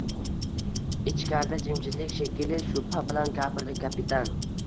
Ichkarida jimjitlik, shekilli, shubha bilan gapirdi kapitan